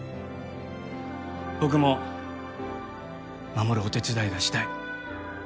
僕も守るお手伝いがしたい。